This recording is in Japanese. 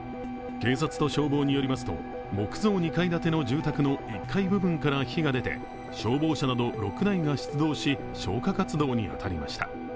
警察と消防によりますと、木造２階建ての１階部分から火が出て、消防車など６台が出動し消火活動に当たりました。